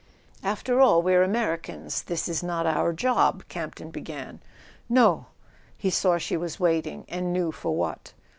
"After all, we're Americans; this is not our job—" Campton began. "No—" He saw she was waiting, and knew for what.